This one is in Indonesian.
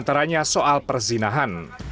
antaranya soal perzinahan